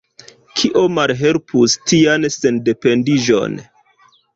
Kio malhelpus tian sendependiĝon?